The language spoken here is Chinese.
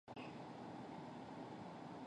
并做出行动